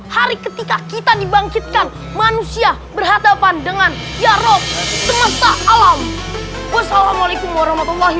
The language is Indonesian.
hari ketika kita dibangkitkan manusia berhadapan dengan ya roh semesta alam wassalamualaikum warahmatullahi